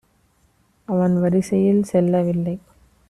அவன் வரிசையில் செல்லவில்லை.